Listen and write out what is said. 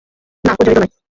না, ও জড়িত নয়।